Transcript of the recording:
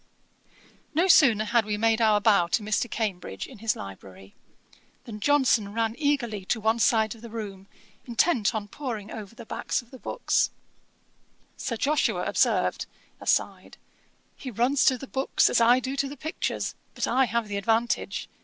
No sooner had we made our bow to Mr. Cambridge, in his library, than Johnson ran eagerly to one side of the room, intent on poring over the backs of the books. Sir Joshua observed, (aside,) 'He runs to the books, as I do to the pictures: but I have the advantage.